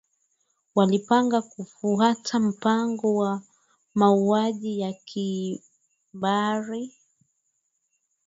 walipanga kufuata mpango wa mauaji ya kimbari